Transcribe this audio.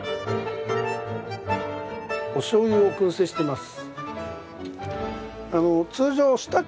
おしょうゆを燻製してます。